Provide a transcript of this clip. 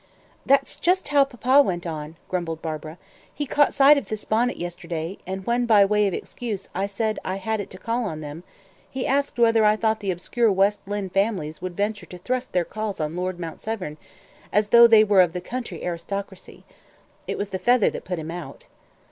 "That's just how papa went on," grumbled Barbara. "He caught sight of this bonnet yesterday; and when, by way of excuse, I said I had it to call on them, he asked whether I thought the obscure West Lynne families would venture to thrust their calls on Lord Mount Severn, as though they were of the county aristocracy. It was the feather that put him out."